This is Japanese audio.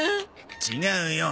違うよ。